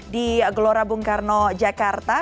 di gelora bung karno jakarta